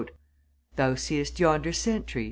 "Thou seest yonder sentry?"